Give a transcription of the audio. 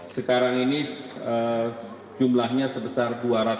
sekarang ini jumlahnya sebesar dua ratus lima puluh satu